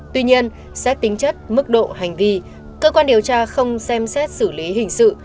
tuy nhiên xét tính chất mức độ hành vi cơ quan điều tra không xem xét xử lý hình sự